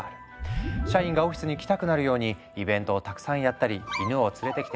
社員がオフィスに来たくなるようにイベントをたくさんやったり「犬を連れてきてＯＫ」